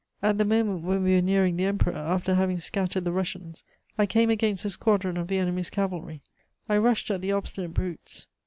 At the moment when we were nearing the Emperor, after having scattered the Russians, I came against a squadron of the enemy's cavalry. I rushed at the obstinate brutes.